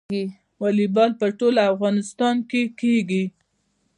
والیبال په ټول افغانستان کې کیږي.